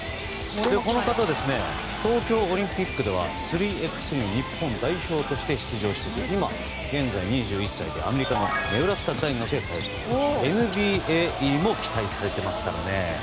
この方は東京オリンピックでは３×３に日本代表として出場していて現在、２１歳でアメリカのネブラスカ大学に通っていてＮＢＡ入りも期待されていますからね。